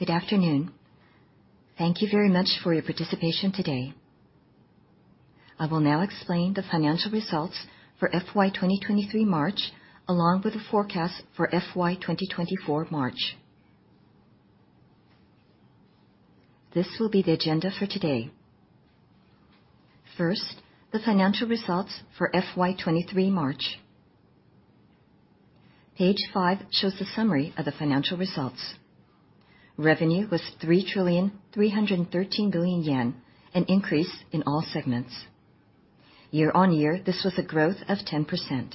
Good afternoon. Thank you very much for your participation today. I will now explain the financial results for FY2023/3, along with the forecast for FY2024/3. This will be the agenda for today. First, the financial results for FY2023/3. Page five shows the summary of the financial results. Revenue was 3,313 billion yen, an increase in all segments. Year on year, this was a growth of 10%.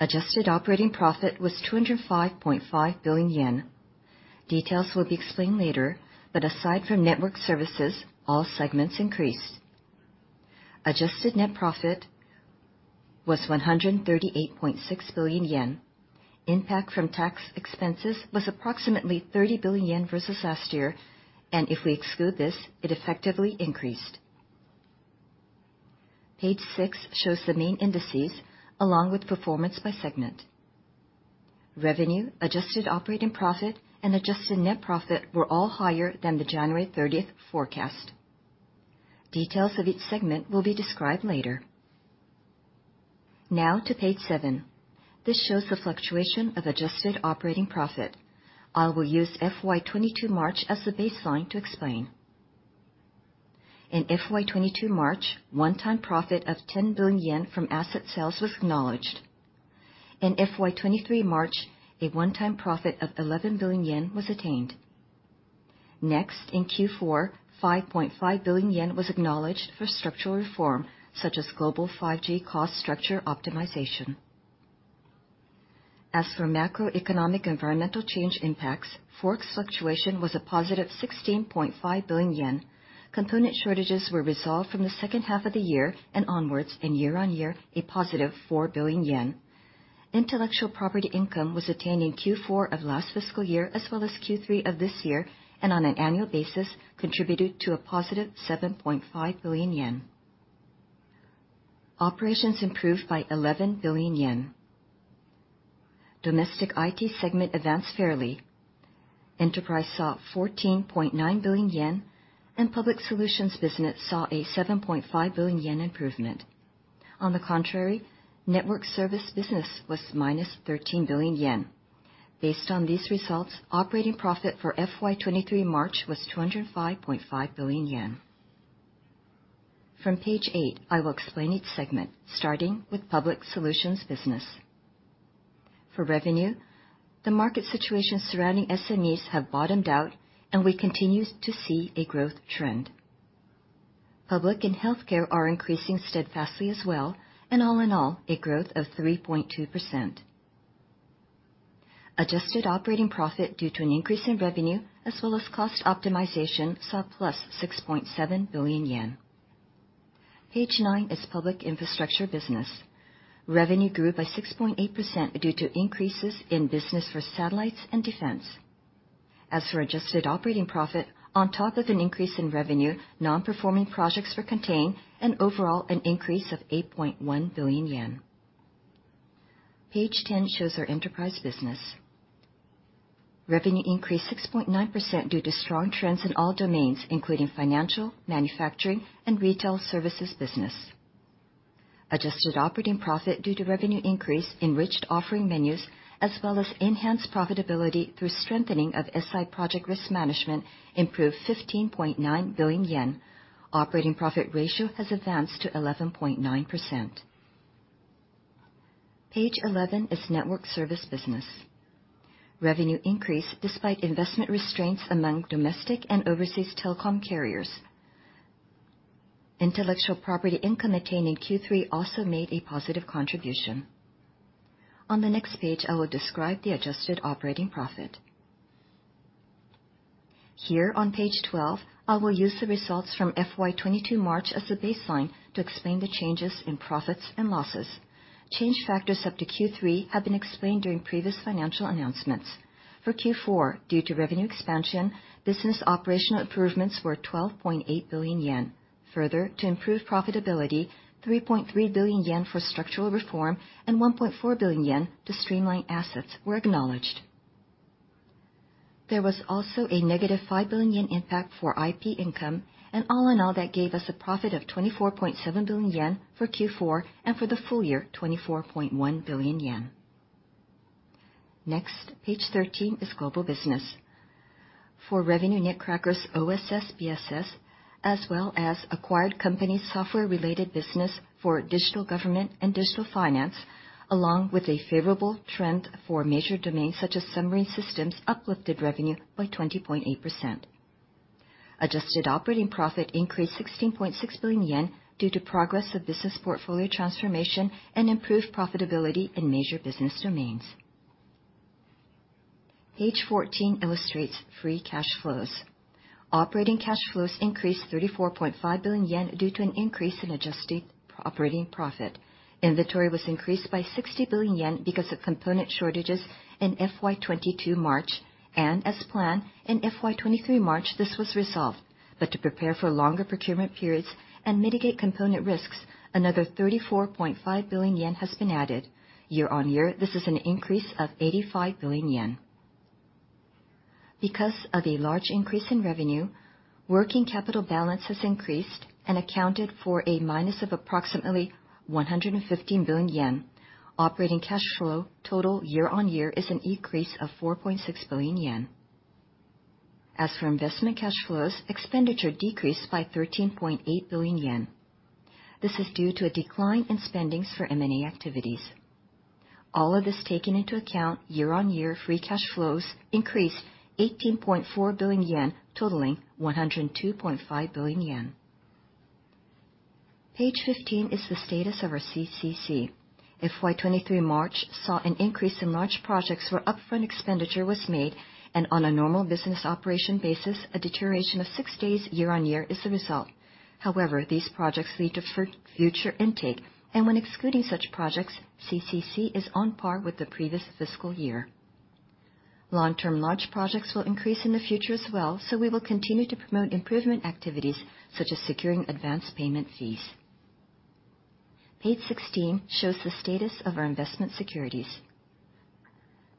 Adjusted Operating Profit was 205.5 billion yen. Details will be explained later, but aside from Network Services, all segments increased. Adjusted Net Profit was 138.6 billion yen. Impact from tax expenses was approximately 30 billion yen versus last year, and if we exclude this, it effectively increased. Page six shows the main indices along with performance by segment. Revenue, Adjusted Operating Profit, and adjusted net profit were all higher than the January 30th forecast. Details of each segment will be described later. Now to page seven. This shows the fluctuation of Adjusted Operating Profit. I will use FY2022/3 as the baseline to explain. In FY2022/3, one-time profit of 10 billion yen from asset sales was acknowledged. In FY2023/3, a one-time profit of 11 billion yen was attained. Next, in Q4, 5.5 billion yen was acknowledged for structural reform, such as global 5G cost structure optimization. As for macroeconomic environmental change impacts, forex fluctuation was a positive 16.5 billion yen. Component shortages were resolved from the second half of the year and onwards, and year on year, a positive 4 billion yen. Intellectual property income was attained in Q4 of last fiscal year, as well as Q3 of this year, on an annual basis, contributed to a positive 7.5 billion yen. Operations improved by 11 billion yen. Domestic IT segment advanced fairly. Enterprise saw 14.9 billion yen, Public Solutions business saw a 7.5 billion yen improvement. On the contrary, Network Services business was -13 billion yen. Based on these results, operating profit for FY2023/3 was 205.5 billion yen. From page eight, I will explain each segment, starting with Public Solutions business. For revenue, the market situation surrounding SMEs have bottomed out, we continue to see a growth trend. Public and healthcare are increasing steadfastly as well, all in all, a growth of 3.2%. Adjusted Operating Profit due to an increase in revenue as well as cost optimization saw + 6.7 billion yen. Page 9 is Public Infrastructure business. Revenue grew by 6.8% due to increases in business for satellites and defense. As for Adjusted Operating Profit, on top of an increase in revenue, non-performing projects were contained, and overall, an increase of 8.1 billion yen. Page 10 shows our Enterprise business. Revenue increased 6.9% due to strong trends in all domains, including financial, manufacturing, and retail services business. Adjusted Operating Profit due to revenue increase, enriched offering menus, as well as enhanced profitability through strengthening of SI project risk management improved 15.9 billion yen. Operating profit ratio has advanced to 11.9%. Page 11 is Network Services business. Revenue increased despite investment restraints among domestic and overseas telecom carriers. Intellectual property income attained in Q3 also made a positive contribution. On the next page, I will describe the Adjusted Operating Profit. Here on page 12, I will use the results from FY2022/3 as the baseline to explain the changes in profits and losses. Change factors up to Q3 have been explained during previous financial announcements. Due to revenue expansion, business operational improvements were 12.8 billion yen. To improve profitability, 3.3 billion yen for structural reform and 1.4 billion yen to streamline assets were acknowledged. There was also a negative 5 billion yen impact for IP income, all in all, that gave us a profit of 24.7 billion yen for Q4, and for the full year, 24.1 billion yen. Page 13 is Global Business. For revenue Netcracker OSS/BSS, as well as acquired company software-related business for Digital Government and Digital Finance, along with a favorable trend for major domains such as Submarine Systems uplifted revenue by 20.8%. Adjusted Operating Profit increased 16.6 billion yen due to progress of business portfolio transformation and improved profitability in major business domains. Page 14 illustrates free cash flows. Operating cash flows increased 34.5 billion yen due to an increase in Adjusted Operating Profit. Inventory was increased by 60 billion yen because of component shortages in FY2022/3. As planned, in FY2023/3, this was resolved. To prepare for longer procurement periods and mitigate component risks, another 34.5 billion yen has been added. Year-on-year, this is an increase of 85 billion yen. Because of a large increase in revenue, working capital balance has increased and accounted for a minus of approximately 115 billion yen. Operating cash flow total year-on-year is an increase of 4.6 billion yen. As for investment cash flows, expenditure decreased by 13.8 billion yen. This is due to a decline in spendings for M&A activities. All of this taken into account, year-on-year, free cash flows increased 18.4 billion yen, totaling 102.5 billion yen. Page 15 is the status of our CCC. FY '23 March saw an increase in large projects where upfront expenditure was made, and on a normal business operation basis, a deterioration of 6 days year-on-year is the result. However, these projects lead to future intake, and when excluding such projects, CCC is on par with the previous fiscal year. Long-term large projects will increase in the future as well, so we will continue to promote improvement activities, such as securing advance payment fees. Page 16 shows the status of our investment securities.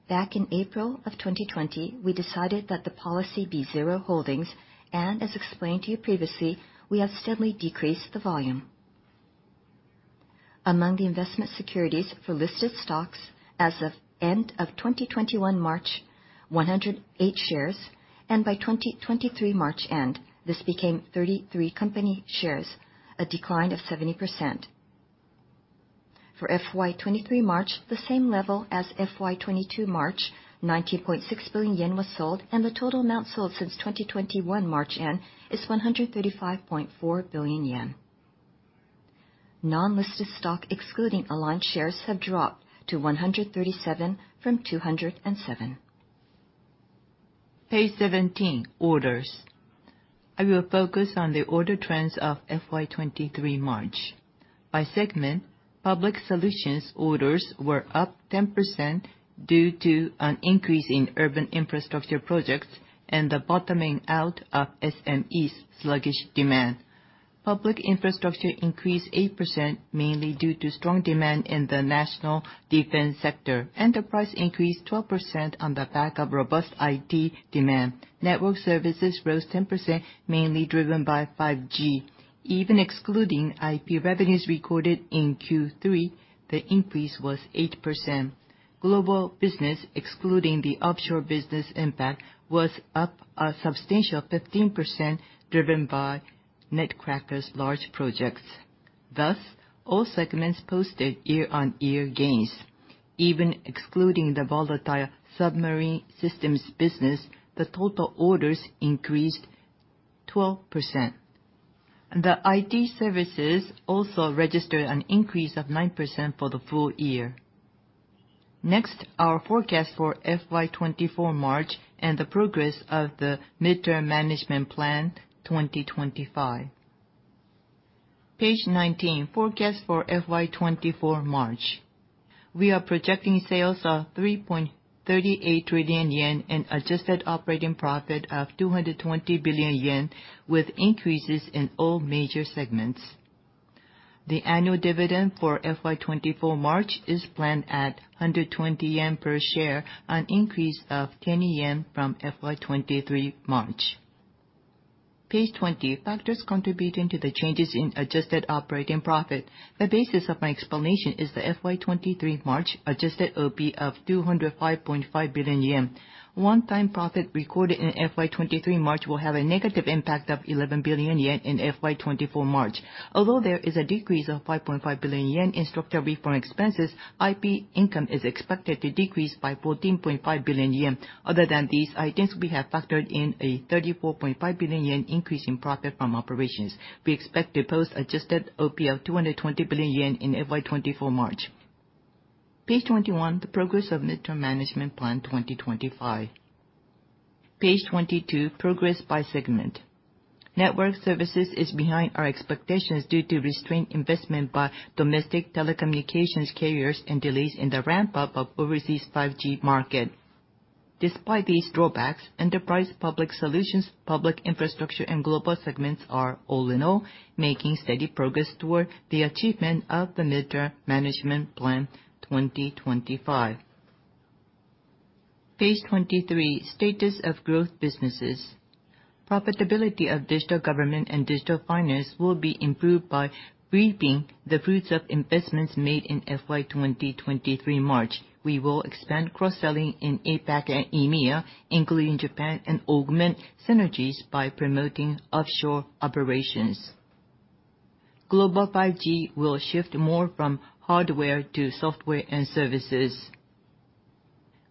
Back in April of 2020, we decided that the policy be zero holdings, and as explained to you previously, we have steadily decreased the volume. Among the investment securities for listed stocks as of end of 2021 March, 108 shares, and by 2023 March end, this became 33 company shares, a decline of 70%. For FY2023/3, the same level as FY2022/3, 90.6 billion yen was sold, and the total amount sold since 2021 March end is 135.4 billion yen. Non-listed stock excluding aligned shares have dropped to 137 from 207. Page 17, orders. I will focus on the order trends of FY2023/3. By segment, Public Solutions orders were up 10% due to an increase in urban infrastructure projects and the bottoming out of SMEs' sluggish demand. Public Infrastructure increased 8% mainly due to strong demand in the national defense sector. Enterprise increased 12% on the back of robust IT demand. Network Services rose 10%, mainly driven by 5G. Even excluding IP revenues recorded in Q3, the increase was 8%. Global Business, excluding the offshore business impact, was up a substantial 15%, driven by Netcracker's large projects. Thus, all segments posted year-on-year gains. Even excluding the volatile Submarine Systems business, the total orders increased 12%. The IT Services also registered an increase of 9% for the full year. Our forecast for FY2024/3 and the progress of the Mid-term Management Plan 2025. Page 19, forecast for FY2024/3. We are projecting sales of 3.38 trillion yen and adjusted operating profit of 220 billion yen, with increases in all major segments. The annual dividend for FY2024/3 is planned at 120 yen per share, an increase of 10 yen from FY2023/3. Page 20, factors contributing to the changes in adjusted operating profit. The basis of my explanation is the FY2023/3 adjusted OP of 205.5 billion yen. One-time profit recorded in FY2023/3 will have a negative impact of 11 billion yen in FY2024/3. Although there is a decrease of 5.5 billion yen in structural reform expenses, IP income is expected to decrease by 14.5 billion yen. Other than these items, we have factored in a 34.5 billion yen increase in profit from operations. We expect to post adjusted OP of 220 billion yen in FY2024/3. Page 21, the progress of Mid-term Management Plan 2025. Page 22, progress by segment. Network Services is behind our expectations due to restrained investment by domestic telecommunications carriers and delays in the ramp-up of overseas 5G market. Despite these drawbacks, Enterprise Public Solutions, Public Infrastructure, and Global segments are all in all making steady progress toward the achievement of the Mid-term Management Plan 2025. Page 23, status of growth businesses. Profitability of Digital Government and Digital Finance will be improved by reaping the fruits of investments made in FY2023/3. We will expand cross-selling in APAC and EMEA, including Japan, and augment synergies by promoting offshore operations. Global 5G will shift more from hardware to software and services.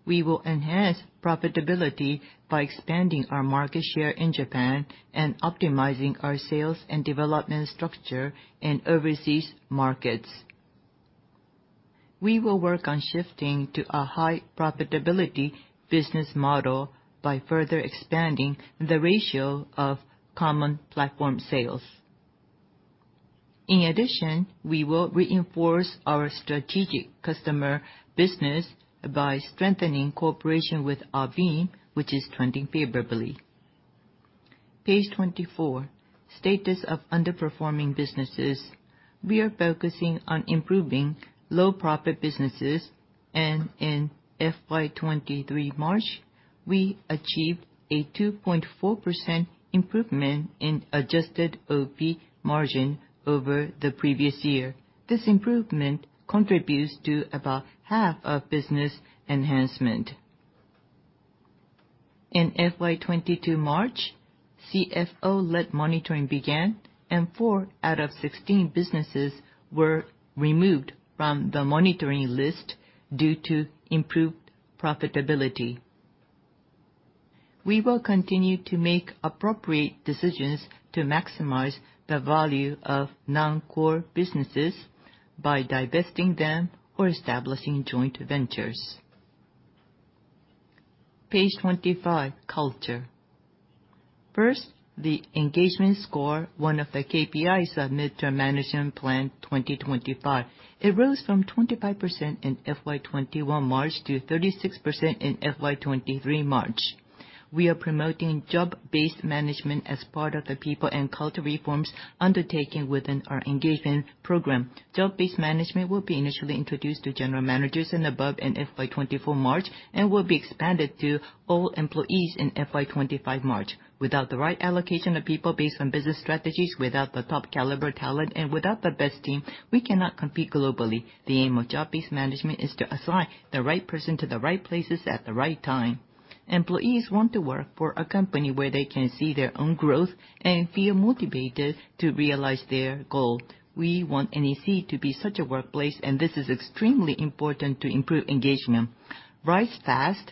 We will enhance profitability by expanding our market share in Japan and optimizing our sales and development structure in overseas markets. We will reinforce our strategic customer business by strengthening cooperation with e&, which is trending favorably. Page 24, status of underperforming businesses. We are focusing on improving low profit businesses, and in FY2023/3, we achieved a 2.4% improvement in adjusted OP margin over the previous year. This improvement contributes to about half of business enhancement. In FY2022/3, CFO-led monitoring began, and 4 out of 16 businesses were removed from the monitoring list due to improved profitability. We will continue to make appropriate decisions to maximize the value of non-core businesses by divesting them or establishing joint ventures. Page 25, culture. First, the engagement score, one of the KPIs of Mid-term Management Plan 2025. It rose from 25% in FY2021/3 to 36% in FY2023/3. We are promoting job-based management as part of the people and culture reforms undertaken within our engagement program. Job-based management will be initially introduced to general managers and above in FY2024/3 and will be expanded to all employees in FY2025/3. Without the right allocation of people based on business strategies, without the top caliber talent, and without the best team, we cannot compete globally. The aim of job-based management is to assign the right person to the right places at the right time. Employees want to work for a company where they can see their own growth and feel motivated to realize their goal. We want NEC to be such a workplace, and this is extremely important to improve engagement. RiseFast,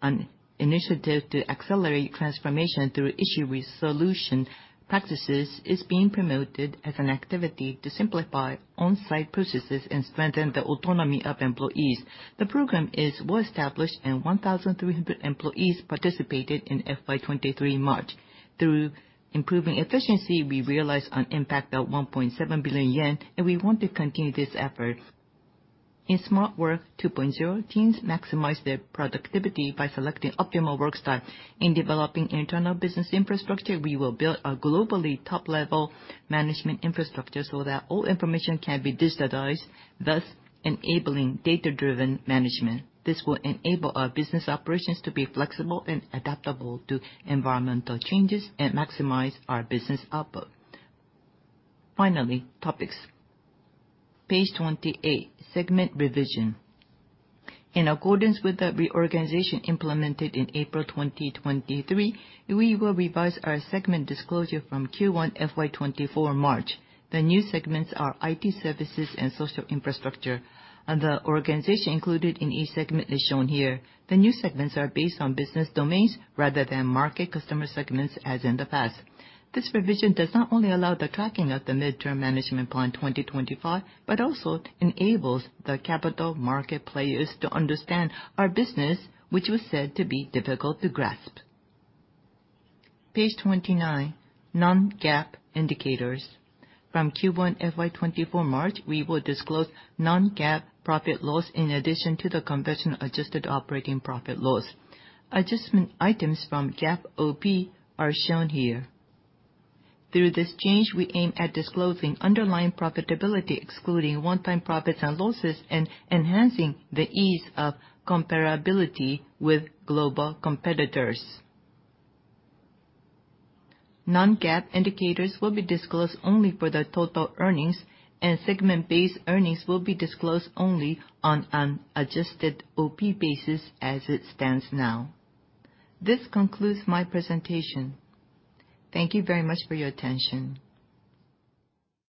an initiative to accelerate transformation through issue resolution practices, is being promoted as an activity to simplify on-site processes and strengthen the autonomy of employees. The program is well established, and 1,300 employees participated in FY2023/3. Through improving efficiency, we realized an impact of 1.7 billion yen, and we want to continue this effort. In Smart Work 2.0, teams maximize their productivity by selecting optimal work style. In developing internal business infrastructure, we will build a globally top-level management infrastructure so that all information can be digitized, thus enabling data-driven management. This will enable our business operations to be flexible and adaptable to environmental changes and maximize our business output. Finally, topics. Page 28, segment revision. In accordance with the reorganization implemented in April 2023, we will revise our segment disclosure from Q1 FY2024/3. The new segments are IT Services and Social Infrastructure. The organization included in each segment is shown here. The new segments are based on business domains rather than market customer segments as in the past. This revision does not only allow the tracking of the Mid-term Management Plan 2025, but also enables the capital market players to understand our business, which was said to be difficult to grasp. Page 29, non-GAAP indicators. From Q1 FY2024/3, we will disclose non-GAAP profit loss in addition to the conventional Adjusted Operating Profit loss. Adjustment items from GAAP OP are shown here. Through this change, we aim at disclosing underlying profitability, excluding one-time profits and losses, and enhancing the ease of comparability with global competitors. Non-GAAP indicators will be disclosed only for the total earnings, and segment-based earnings will be disclosed only on an adjusted OP basis as it stands now. This concludes my presentation. Thank you very much for your attention.